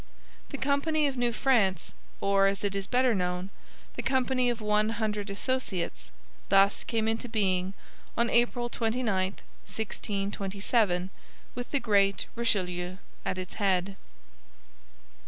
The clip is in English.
The Company of New France, or, as it is better known, the Company of One Hundred Associates, thus came into being on April 29, 1627, with the great Richelieu at its head.